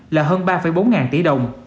là hơn ba bốn ngàn tỷ đồng